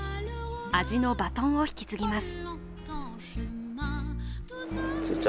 味のバトンを引き継ぎます。